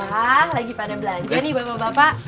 wah lagi pada belanja nih bapak bapak